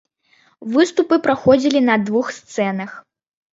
Выступы праходзілі на двух сцэнах.